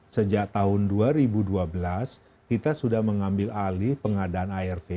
sejak tahun dua ribu dua belas kita sudah mengambil alih pengadaan arv